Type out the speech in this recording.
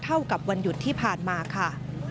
เท่ากับวันหยุดที่ผ่านมาค่ะ